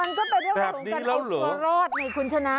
ก็เป็นเรื่องของการเอาตัวรอดไงคุณชนะ